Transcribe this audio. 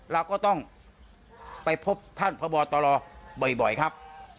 เราก็ต้องไปพบท่านพบตรบ่อยครับ